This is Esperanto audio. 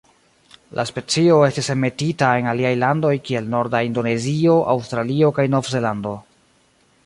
La specio estis enmetita en aliaj landoj kiel norda Indonezio, Aŭstralio kaj Novzelando.